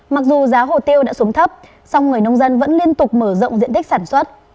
mặc dù giá hồ tiêu đã xuống thấp song người nông dân vẫn liên tục mở rộng diện tích sản xuất